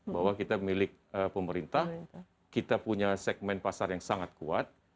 bahwa kita milik pemerintah kita punya segmen pasar yang sangat kuat